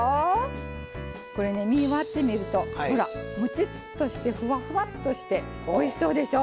これね身割ってみるとほらもちっとしてふわふわっとしておいしそうでしょ！